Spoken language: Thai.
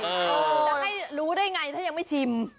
จะให้รู้ได้ไงถ้ายังไม่ชิม